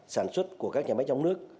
sản xuất của các nhà máy trong nước